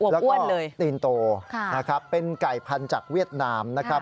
อวบอ้วนเลยแล้วก็ตีนโตเป็นไก่พันธุ์จากเวียดนามนะครับ